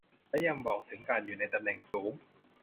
และยังบอกถึงการอยู่ในตำแหน่งสูง